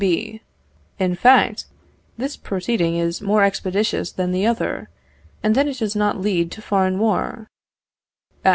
B. In fact, this proceeding is more expeditious than the other, and then it does not lead to foreign war.